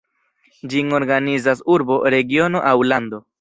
Ĝin organizas urbo, regiono aŭ lando.